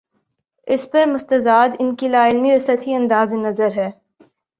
اس پر مستزاد ان کی لا علمی اور سطحی انداز نظر ہے۔